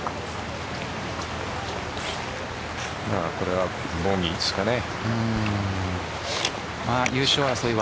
これはボギーですかね。